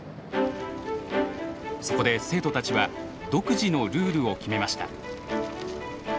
そこで生徒たちは独自のルールを決めました。